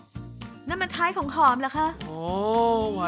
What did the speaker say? นั่นมันท้ายของหอมเหรอคะ